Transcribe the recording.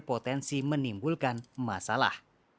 ini berpotensi menimbulkan masalah